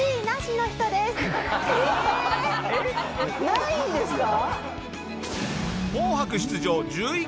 ないんですか？